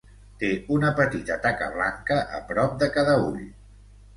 Té una petita taca blanca a prop de cada ull.